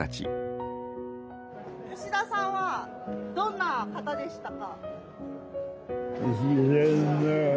吉田さんはどんな方でしたか？